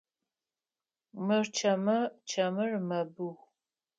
Мыр чэмы, чэмыр мэбыу.